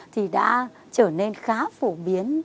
thì đã trở nên khá phổ biến